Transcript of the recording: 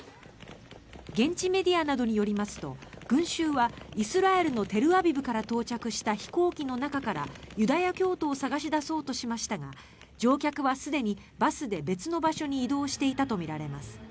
現地メディアなどによりますと群衆はイスラエルのテルアビブから到着した飛行機の中からユダヤ教徒を探し出そうとしましたが乗客はすでにバスで別の場所に移動していたとみられます。